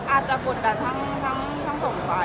อาจจะกดดันท่องกลางไทย